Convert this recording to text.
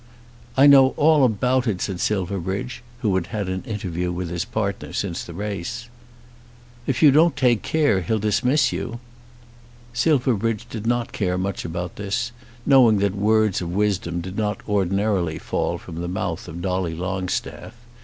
"I know all about it," said Silverbridge, who had had an interview with his partner since the race. "If you don't take care he'll dismiss you." Silverbridge did not care much about this, knowing that words of wisdom did not ordinarily fall from the mouth of Dolly Longstaff.